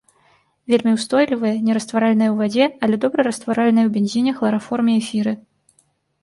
Вельмі ўстойлівыя, нерастваральныя ў вадзе, але добра растваральныя ў бензіне, хлараформе, эфіры.